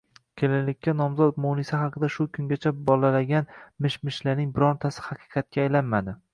Kelinlikka nomzod Munisa haqida shu kungacha bolalagan mish-mishlarning birortasi haqiqatga aylanmadi